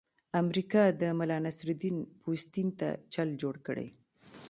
امریکا د ملانصرالدین پوستین ته چل جوړ کړی.